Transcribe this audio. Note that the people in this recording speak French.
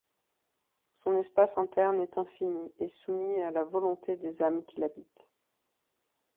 Son espace interne est infini et soumis à la volonté des âmes qui l'habitent.